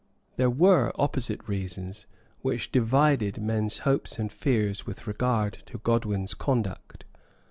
There were opposite reasons, which divided men's hopes and fears with regard to Godwin's conduct.